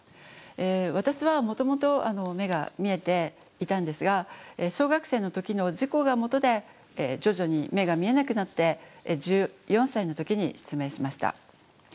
私はもともと目が見えていたんですが小学生の時の事故がもとで徐々に目が見えなくなって１４歳の時に失明しました。